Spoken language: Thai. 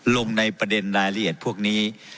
ลงในประเด็นรายละเอียดพวกนี้